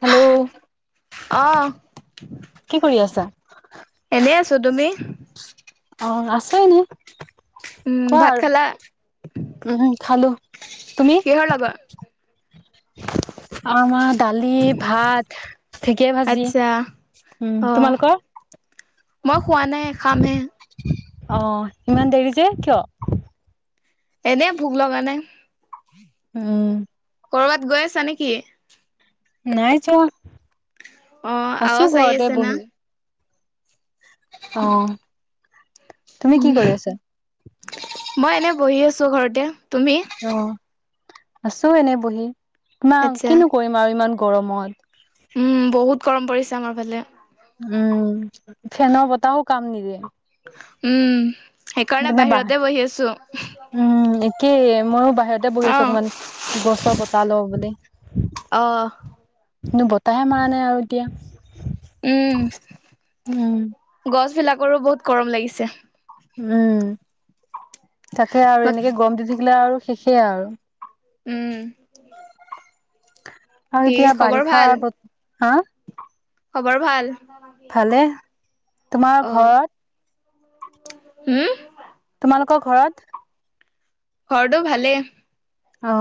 Hello আহ কি কৰি আছা এনেই আছো তুমি অ আছো ইনেই উম ভাত খালা উম খালো তুমি কিহৰ লগত? [inaudible] আমাৰ দালি ভাত ঢেকীয়া ভাজি আচ্ছা উম অ', তোমালোকৰ মই খোৱা নাই খামহে অ ইমান দেৰি যে কিয় এনে ভোক লগা নে উম কৰবাত গৈ আছা নেকি নাই যোৱা অ', আছো আৱাজ আহি ঘৰতে আছে না। বহি অ তুমি উম কি কৰি আছা? মই এনে বহি আছো ঘৰতে তুমি? অ' আছো এনেই বহি ই আচ্ছা। কিনো কৰিম আৰু ইমান গৰমত। উম বহুত গৰম পৰিছে আমাৰ ফালে। উম ফেনৰ বতাহও কাম নিদিয়ে। উম সেইকাৰণে বাহিৰতে বহি আছোঁ। কি ময়ো বাহিৰতে বহি আছোঁ অকমান গছৰ কত লওঁ বুলি। আহ কিন্তু বতাহে মাৰ নাই আৰু এতিয়া, উম উম, গছ বিলাকৰো বহুত গৰম লাগিছে। উম তাকে আৰু এনেকে গম দি থাকিলে আৰু শেষে আৰু। উম আৰু কি এতিয়া খবৰ বাৰিষা ভাল? হা খবৰ ভাল? ভালে তোমাৰ ঘৰত হম? তোমালোকৰ ঘৰত ঘৰটো ভালে। অ,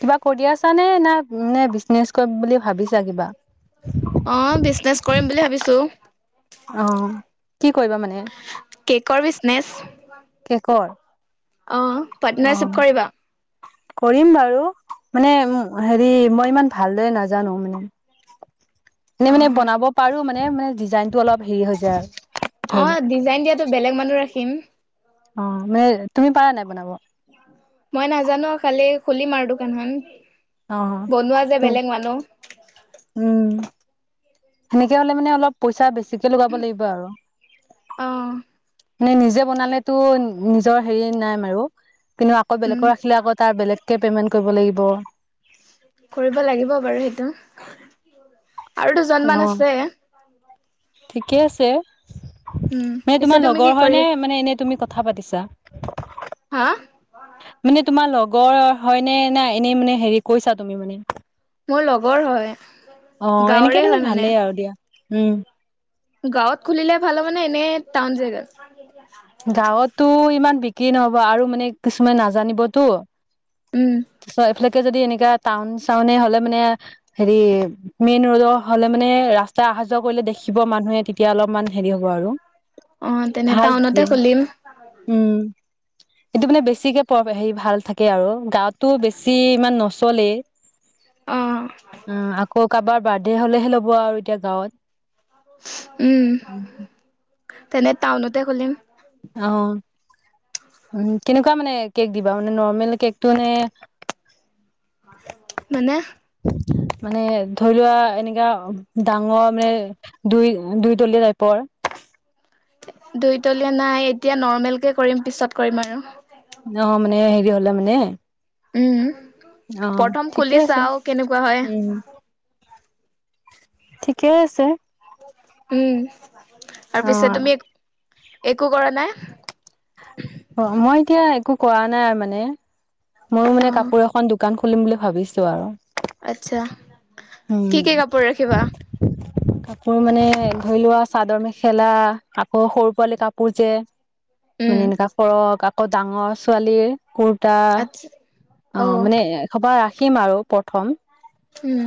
কিবা কৰি আছা নে না নে বিজনেচ কৰিম বুলি ভাবিছা কিবা। অ, বিজনেচ কৰিম বুলি ভাবিছো। অ, কি কৰিবা মানে? কৰবিছনেছ। কেকৰৰ? অ, পাৰ্টনাৰশ্বিপ কৰিবা? কৰিম বাৰু মানে উম, হেৰি মই ইমান ভালদৰে নাজানো মানে? [inaudible] এনেই মানে বনাব পাৰো মানে মানে ডিজাইনতটো অলপ হেৰি হৈ যায় আৰু। অ, ধৰি লোৱা ডিজাইন দিয়াতো বেলেগ মানুহ ৰাখিম। অ, মানে তুমি পাৰা নাই বনাব? মই নাজানো কালি খুলিম আৰু দোকানখন? অ', বনোৱা যে ত' বেলেগ মানুহ উম। সেনেকে হলে মানে অলপ পইচা বেছিকে লগাব লাগিব আৰু। অ মে নিজে বনালেতো নিজৰ হেৰি নাই আৰু কিন্তু আকৌ উম বেলেগক ৰাখিলে আকৌ তাৰ বেলেগ কে পেমেন্ট কৰিব লাগিব। কৰিব লাগিব বাৰু সেইটো। আৰু অ দুজনমান আছে। ঠিকে আছে উম মানে পিছে তোমাৰ তুমি কি লগৰ কৰি হয়নে মানে এনে তুমি ক কথা পাতিছা হা মানে তোমাৰ লগৰ হয়নে না এনেই মানে হেৰি কৈছা তুমি মানে মোৰ লগৰ হয় অহ গাঁৱৰে এনেকে হয় মানে ভালেই আৰু দিয়া উম গাঁৱত খুলিলে ভাল হ'বনে এনে টাউন জেগাত গাঁৱতো ইমান বিক্ৰী নহব আৰু মানে কিছুমান নাজানিবতো উম চ এফালে যদি এনেকা টাউন চাউনে হলে মানে হেৰি মেইন ৰড হলে মানে ৰাস্তা আহা যোৱা কৰিলে দেখিব মানুহে তেতিয়া অলপমান হেৰি হ'ব আৰু অ তেনে ভাল টাউনতে তেতিয়া খুলিম উম এইটো মানে বেছিকে প হেৰি ভাল থাকে আৰু গাঁৱতো বেছি ইমান নচ চলে অ উম আকৌ কাৰোবাৰ বাৰ্থডে হলেহে ল'ব আৰু এতিয়া গাঁৱত উম তেনে টাউনতে খুলিম অহ উম কেনেকুৱা মানে কেক দিবা মানে নৰ্মেল কেকটো নে মানে মানে ধৰি লোৱা এনেকাা ডাঙৰ মানে দুই-দুই তলীয়া টাইপৰ দুইতলীয়া নাই এতিয়া নৰ্মেল কে কৰিম পিছত কৰিম আৰু। ন মানে হেৰি হলে মানে উম, অ প্ৰথম ঠিকে খুলি আছে চাও কেনেকুৱা হয়। ঠিকেই আছে। উম, ত অ পিছে তুমি একো কৰা নাই। অ, মই এতিয়া একো কৰা নাই আৰু মানে ময়ো মানে অ', কাপোৰ এখন দোকান খুলিম বুলি ভাবিছো আৰু। আচ্ছা, উম কি-কি কাপোৰ ৰখিবা কাপোৰ মানে ধৰি লোৱা চাদৰ মেখেলা আকৌ সৰু পোৱালি কাপোৰ যে। উম, মানে এনেককা কৰৰক আকৌ ডাঙৰ ছোৱালীৰ কুৰ্তা। আচ্ছা অ' মানে এসপাহ ৰাখিম আৰু প্ৰথম। উম,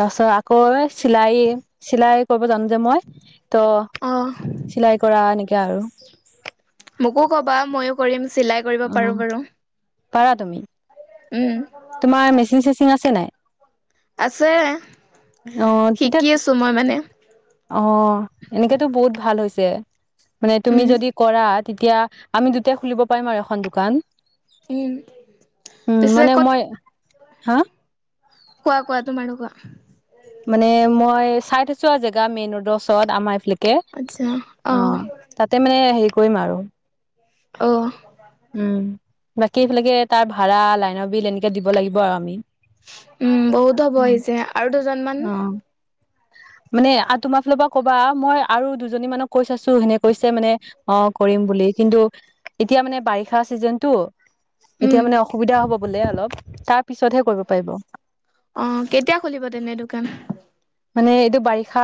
তাৰপছত আকৌ চিলাই-চিলাই। জানো যে মই ত অ', চিলাই কৰা এনেকা আৰু। মোকো কবা মইো কৰিম চিলাই কৰিব অ পাৰো বাৰু। পাৰা তুমি। উম, তোমাৰ মেচিন চেচিং আছে নাই। আছে অ তেতিয়া শিকি আছো মই মানে। অ' এনেকেতো বহুত ভাল হৈছে মানে তুমি উম, যদি কৰা। তেতিয়া আমি দুটাই খুলিব পাৰিম আৰু এখন দোকান। উম। উম, পিছে মানে মই হা। কোৱা-কোৱাটো ম কোৱা? মানে মই চাই থৈছো আৰু জেগা মেইন ৰোডৰ ওচৰত আমাৰ এইফিল আচ্ছা অহ অ' তাতে মানে হেৰি কৰিম আৰু। আহ উম, বাকী এইফালাগে তাৰ ভাড়া লাইন বিল এনেকে দিব লাগিব আৰু আমি। উম, বহুত হ'ব আহিছে আৰু দুজনমান। অ মানে আৰু তোমাৰ ফালৰ পৰা কবা মই আৰু দুজনী মানক কৈ আছো সেনে কৈছে মানে অ কৰিম বুলি। কিন্তু এতিয়া মানে বাৰিষা চিজনতটো। এতিয়া উম মানে অসুবিধা হ'ব বোলে অলপ তাৰ পিছতহে কৰিব পাৰিব অ', কেতিয়া খুলিব তেনে দোকান মানে এইটো বাৰিষা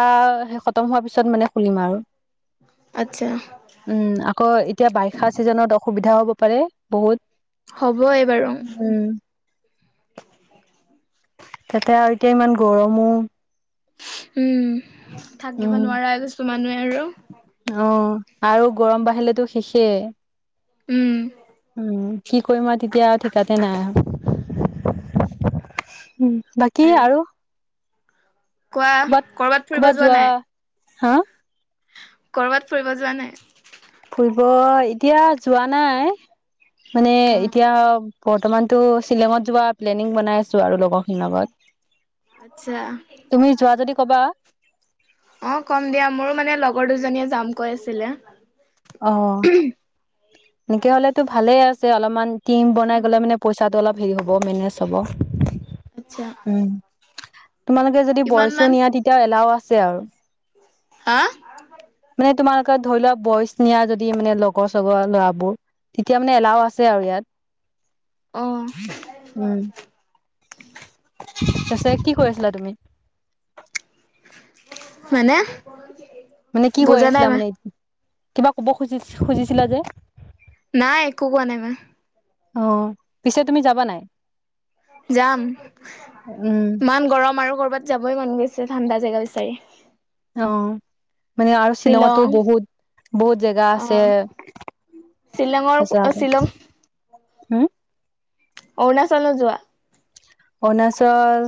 খতম হোৱাৰ পিছত মানে খুলিম আৰু। আচ্ছা উম, আকৌ এতিয়া বাৰিষা চিজনত অসুবিধাও হব পাৰে বহুত। হবয় বাৰু। উম তাতে আৰু এতিয়া ইমান গৰমো উম, থাকিব উম নোৱাৰা কিছু মানুহে আৰু অ, আৰু গৰম বাঢ়িলেতো শেষেই উম, কি কৰিম আৰু তেতিয়া ঠিকাতে নাই আৰু। বাকী আৰু। কোৱা ক'বাত কৰবাত ফুৰিব ক'বাত যোৱা নাই। হা কৰ'বাত ফুৰিব যোৱা নাই। ফুৰিব এতিয়া যোৱা নাই মানে অ এতিয়া। বৰ্তমানতো শ্বিলঙত যোৱা প্লেনিং বনাই আছো আৰু লগৰখিন লগত। আচ্ছা তুমি যোৱা যদি কবা। অ' কম দিয়া মোৰো মানে লগৰ দুজনীয়ে যাম কৈ আছিলে। অ' এনেকে হলেতো ভালে আছে অলপমান টীম বনাই গলে মানে পইচাটো অল হে হব মানে আচ্ছা। তোমালোকে যদি কিমান বয়চো মান নিয়া তেতিয়াও এলাও আছে আৰু হা মানে তোমালোকে ধৰি লোৱা বয়চ নিয়া যদি মানে লগৰ চগৰ ল'ৰাবোৰ তেতিয়া মানে এলাও আছে আৰু ইয়াত অ তাছে কি কৰি আছিলা তুমি মানে মানে কি কৈ বুজা আছিলা নাই মা মানে এত কিবা কব খুজি খুজিছিলা যে নাই, একো কোৱা নাই মই। অ' পিছে তুমি যাবা নাই? যাম। উম। ইমান গৰম, আৰু কৰ'বাত যাবই মন গৈ ছে ঠাণ্ডা জেগা বিচাৰি। অ'। মানে আৰু শ্বিলং শ্বিলঙতো বহুত - বহুত জেগা আছে। চিলঙৰ- চিলং। উম? অৰুণাচলো যোৱা। অৰুণাচল,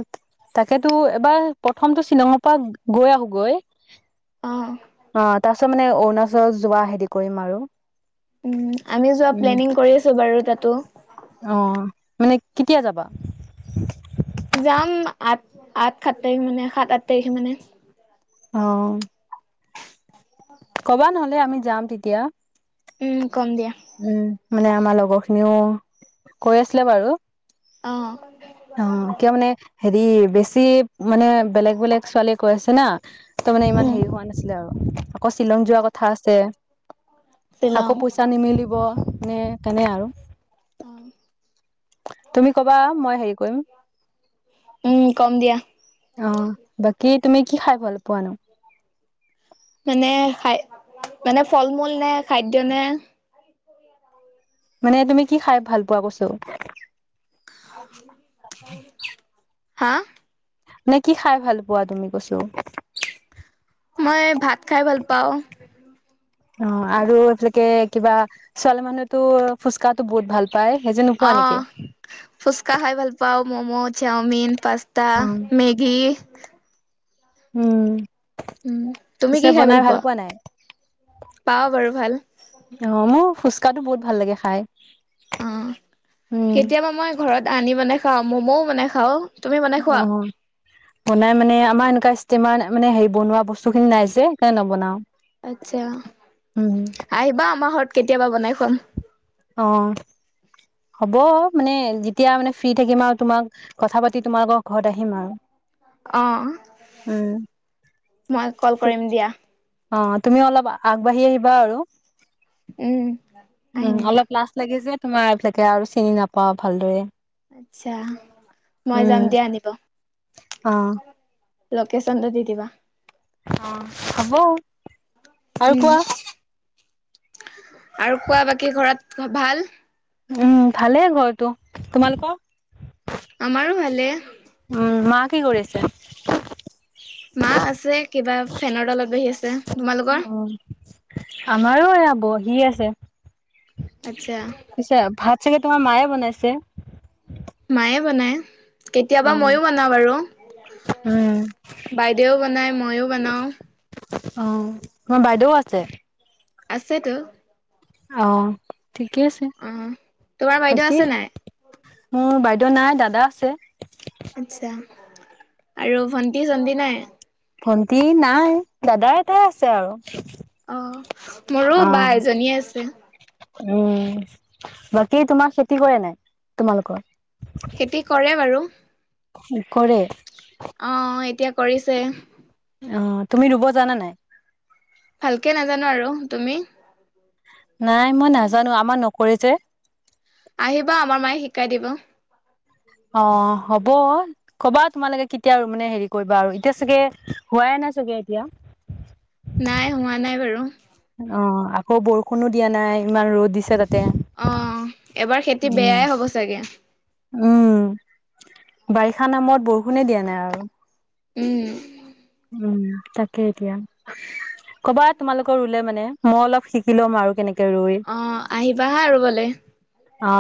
তাকেতো এবাৰ প্ৰথমটো শ্বিলঙৰ পৰা গৈ আহোগৈ। অ' তাৰ পিছত মানে অৰুণাচল যোৱা হেৰি কৰিম আৰু। উম, আমি যোৱা উম প্লেনিং কৰি আছোঁ বাৰু তাতো। অ'। মানে কেতিয়া যাবা? যাম, আঠ- আঠ - সাত তাৰিখ মানে, সাত - আঠ তাৰিখ মানে। অ'। কবা নহ'লে। আমি যাম তেতিয়া। উম, কম দিয়া। উম মানে আমাৰ লগৰখিনিও কৈ আছিলে বাৰু। অ'। অ' কিয় মানে হেৰি বেছি মানে বেলেগ - বেলেগ ছোৱালী কৈ আছে না, তো মানে ইমান উম হেৰি হোৱা নাছিলে আৰু। আকৌ শ্বিলং যোৱা কথা আছে। শ্বিলং আকৌ পইচা নিমিলিব নে, তেনে আৰু। অ তুমি কবা, মই হেৰি কৰিম। উম কম দিয়া অ'। বাকী তুমি কি খাই ভাল পোৱা নো? এনে খাই, মানে ফল- মূল নে, খাদ্য নে? মানে তুমি কি খাই ভাল পোৱা কৈছো? হা! নে কি খাই ভাল পোৱা, তুমি কৈছো? মই ভাত খাই ভাল পাওঁ। অ, আৰু এইফালেকে কিবা, ছোৱালী মানুহেতো ফুচকাতো বহুত ভাল পায় সেইযোৰ নোপোৱা অ, নেকি ফুচকা খাই ভাল পাও। মমো, চাওমিন, পাস্তা, অ মেগি। উম। উম, তুমি পিছে কি খাই বনাই ভাল পোৱা? নাই পাও বাৰু ভাল। অ মোৰ ফুচকাটো বহুত ভাল লাগে খাই। অ, উম কেতিয়াবা মই ঘৰত আনি বনাই খাও, মম'ও বনাই খাও। অ, বনাই মানে, আমাৰ এনেকুৱা ইমান মানে হেৰি বনোৱা বস্তু খিনি নাই যে, সেইকাৰণে নবনাও। আচ্ছা! উম আহিবা আমাৰ ঘৰত কেতিয়াবা, বনাই খোৱাম। অ। হ'ব, মানে যেতিয়া মানে ফ্ৰী থাকিম আৰু তোমাক কথা পাতি, তোমালোকৰ ঘৰত আহিম আৰু। অ, উম মই কল কৰিম দিয়া। অ তুমি অলপ আগবাঢ়ি আহিবা আৰু। উম উম আহিম দিয়া অলপ লাজ লাগিছে। তোমাৰ এইবিলাকে আৰু চিনি নাপাও ভালদৰে। আচ্ছা মই যাম দিয়া আনিব। অঁ। লকেশচনটো দি দিবা। অ হব আৰু উম কোৱা। আৰু কোৱা বাকী ঘৰত ভাল। উম ভালেই ঘৰটো তোমালোকৰ। আমাৰো ভালে। উম মা কি কৰি আছে। মা আছে কিবা ফেনৰ তলত বহি আছে অ তোমালোকৰ। আমাৰো এয়া বহি আছে আচ্ছা পিছে ভাত চাগে। তোমাৰ মায়ে বনাইছে। মায়ে বনায় অ কেতিয়াবা মইয়ো বনাওঁ বাৰু উম বাইদেও বনাই মইও বনাও। অ তোমাৰ বাইদেউ আছে। আছেতো। অ ঠিকেই আছে অ তোমাৰ বাইদেউ বাকী। আছে নাই মোৰ বাইদেউ নাই দাদা আছে। আচ্ছা আৰু ভণ্টি চন্তি নাই। ভণ্টি নাই দাদা এটাই আছে আৰু অ মোৰো অ বা এজনীয়ে আছে। উম বাকী তোমাৰ খেতি কৰে নাই তোমালোকৰ। খেতি কৰে বাৰু কৰে। অ এতিয়া কৰিছে। অ তুমি ৰুব জানা নাই। ভালকে নাজানো আৰু তুমি? নাই মই নাজানো আমাৰ নকৰি যে আহিবা আমাৰ মায়ে শিকাই দিব। অ হ'ব কবা তোমালোকে কেতিয়া আৰু মানে হেৰি কৰিবা আৰু এতিয়া চাগে হোৱাই নাই চাগে এতিয়া। নাই হোৱা নাই বাৰু। অ আকৌ বৰষুণো দিয়া নাই ইমান ৰ'দ দিছে তাতে। অ এবাৰ খেতি উম। বেয়াই হ'ব চাগে,, উম বাই বাৰিষা নামত বৰষুণে দিয়া নাই আৰু। উম উম তাকে এতিয়া। ক'বা, তোমালোকৰ ৰুলে মানে মই অলপ শিকি ল'ম আৰু কেনেকে ৰুই। অঁ আহিবা হা আৰু ৰুবলে অ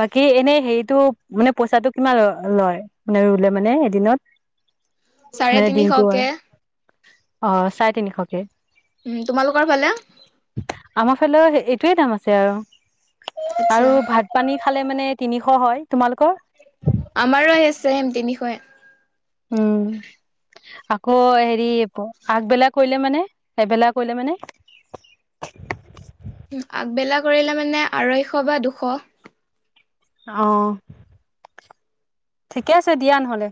বাকী এনেই হেৰিতটো মানে পইচাটো কিমান লয় মানে ৰুলে মানে এদিনত? চাৰে মানে দিনটো আৰু তিনিশকে। অ চাৰে তিনিশকে উম তোমালোকৰ ফালে আমাৰ ফালেও এইটোৱে দাম আছে আৰু আচ্ছা আৰু ভাত পানী খালে মানে তিনিশ হয় তোমালোকৰ? আমাৰো সেই চেম আছে সম তিনিশ উম আকৌ হেৰি আগবেলা কৰিলে মানে এবেলা কৰিলে মানে আগবেলা কৰিলে মানে আঢ়ৈশ বা দুশ। আহ। ঠিকে আছে দিয়া নহ'লে।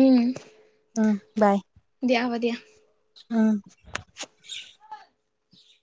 উম। বাই। হব দিয়া দিয়া। উম। উ [unintelligible]